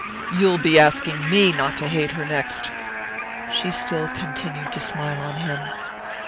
"You'll be asking me not to hate her next!" She still continued to smile on him.